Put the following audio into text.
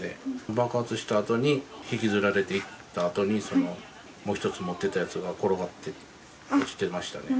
爆発したあとに、引きずられていったあとに、もう１つ持ってたやつが転がって落ちてましたね。